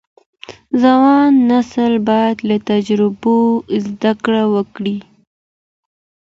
ځوان نسل باید له تجربو زده کړه وکړي.